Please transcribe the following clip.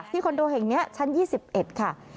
คอนโดแห่งนี้ชั้น๒๑ค่ะ